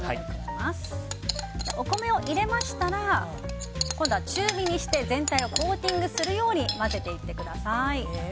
お米を入れましたら今度は中火にして全体をコーティングするように混ぜていってください。